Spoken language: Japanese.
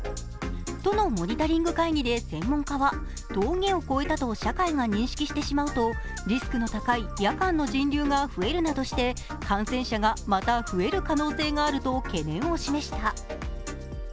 都のモニタリング会議で専門家は、峠を越えたと社会が認識するとリスクの高い夜間の人流が増えるなどして、感染者がまた増える可能性があると懸念を示した。